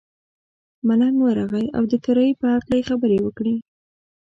ملنګ ورغئ او د کرایې په هکله یې خبرې وکړې.